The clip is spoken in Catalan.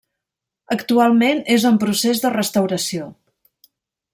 Actualment, és en procés de restauració.